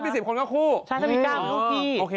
๕ปี๑๐คนก็คู่ใช่มี๙ผู้ที่โอเค